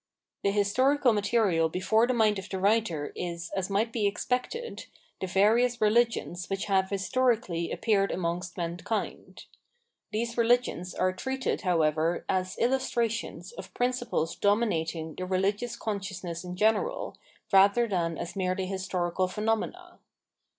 The historical material before the mind of the writer is, as might he expected, the various religions which have historically appeared amongst mankind. These religions are treated, however, as illustrations of prin ciples dominating the religious consciousness in general, luther than as merely historical phenomena.